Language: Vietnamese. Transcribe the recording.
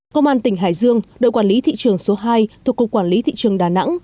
công an tỉnh hải dương đội quản lý thị trường số hai thuộc cục quản lý thị trường đà nẵng